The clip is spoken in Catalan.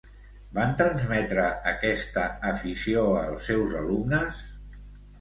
Va transmetre aquesta afició als seus alumnes?